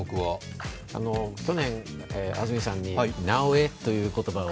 去年、安住さんになおエという言葉を。